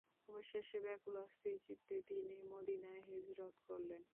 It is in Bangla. অবশেষে ব্যাকূল অস্থির চিত্তে তিনি মদীনায় হিজরত করলেন।